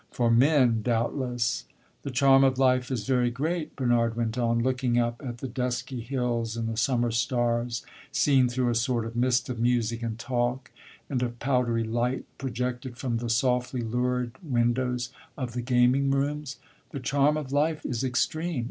"For men, doubtless!" "The charm of life is very great," Bernard went on, looking up at the dusky hills and the summer stars, seen through a sort of mist of music and talk, and of powdery light projected from the softly lurid windows of the gaming rooms. "The charm of life is extreme.